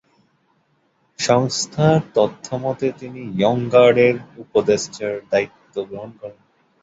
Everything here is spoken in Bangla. সংস্থার তথ্যমতে তিনি ইয়ং গার্ডের উপদেষ্টার দায়িত্ব গ্রহণ করেন।